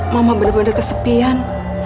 mama bener bener kesepian